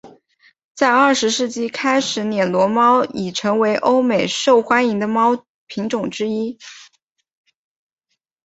在二十世纪开始暹罗猫已成为欧美受欢迎的猫品种之一。